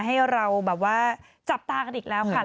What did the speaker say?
ให้เราแบบว่าจับตากันอีกแล้วค่ะ